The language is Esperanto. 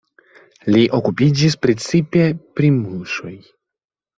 Li okupiĝis precipe pri muŝoj.